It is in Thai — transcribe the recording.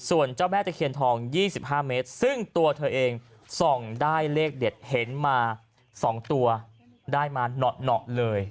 ส่วนเจ้าแม่ตะเคียนทอง๒๕เมตรซึ่งตัวเธอเองส่องได้เลขเด็ดเห็นมา๒ตัวได้มาเหนาะเลย